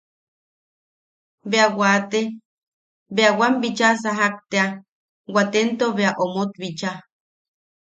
Bea wate, bea wan bicha sajak tea, watento bea omot bicha.